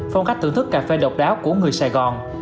phong cách thưởng thức cà phê độc đáo của người sài gòn